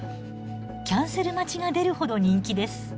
キャンセル待ちが出るほど人気です。